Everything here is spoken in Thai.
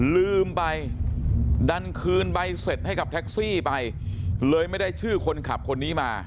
ลืมไปดันคืนใบเสร็จให้กับแท็กซี่ไปเลยไม่ได้ชื่อคนขับคนนี้มา